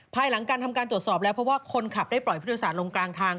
ภายหลังการทำการตรวจสอบแล้วเพราะว่าคนขับได้ปล่อยผู้โดยสารลงกลางทาง